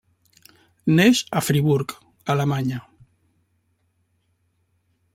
Neix a Friburg, Alemanya.